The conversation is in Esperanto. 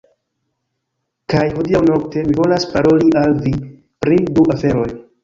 Kaj hodiaŭ nokte, mi volas paroli al vi pri du aferoj.